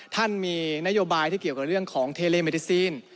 ท่านมีนโยบายที่เกี่ยวกับเรื่องของเทเลเมดิซีน